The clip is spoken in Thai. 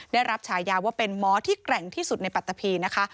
ได้รับฉายาว่าเป็นหมอที่แกร่งที่สุดในปัตตะพีนะคะ